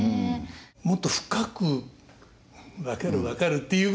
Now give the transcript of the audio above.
もっと深く「分かる分かる」っていうぐらいに。